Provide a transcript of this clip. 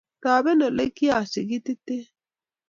Toben olekiasikitite?